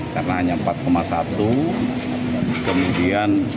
karena hanya empat satu kemudian empat delapan